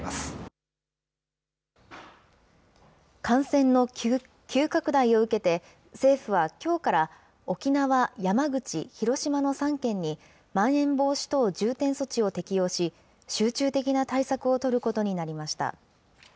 感染の急拡大を受けて、政府はきょうから沖縄、山口、広島の３県に、まん延防止等重点措置を適用し、集中的な対策を取ることになりました。